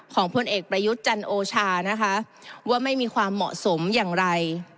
พลเอกประยุทธ์จันโอชานะคะว่าไม่มีความเหมาะสมอย่างไร